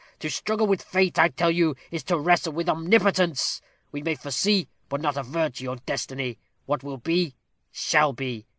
To struggle with Fate, I tell you, is to wrestle with Omnipotence. We may foresee, but not avert our destiny. What will be, shall be.